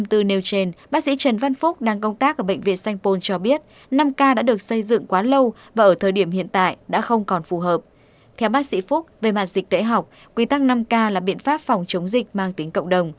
theo bác sĩ phúc về mặt dịch tễ học quy tắc năm k là biện pháp phòng chống dịch mang tính cộng đồng